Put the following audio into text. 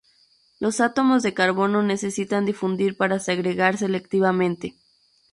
Los átomos de carbono necesitan difundir para segregar selectivamente.